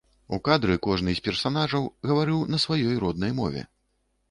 У кадры кожны з персанажаў гаварыў на сваёй роднай мове.